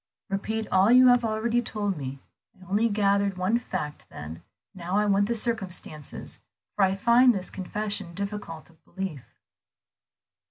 "Repeat all you have already told me. I only gathered one fact then, now I want the circumstances, for I find this confession difficult of belief."